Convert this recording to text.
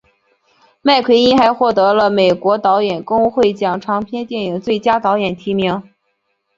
麦奎因还获得了美国导演工会奖长片电影最佳导演提名。